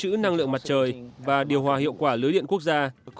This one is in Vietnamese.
cải thiện năng lượng mặt trời và điều hòa hiệu quả lưới điện quốc gia